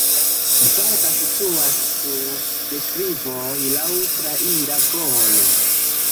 Varga situas sur deklivoj, laŭ traira vojo.